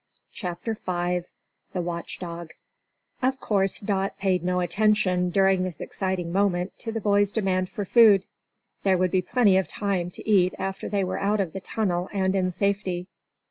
CHAPTER 5 THE WATCH DOG OF MERRYLAND Of course, Dot paid no attention, during this exciting moment, to the boy's demand for food. There would be plenty of time to eat after they were out of the tunnel and in safety.